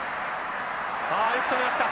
よく止めました。